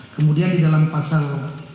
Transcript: kemudian di dalam pasal